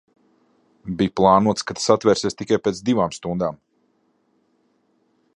Bija plānots, ka tas atvērsies tikai pēc divām stundām.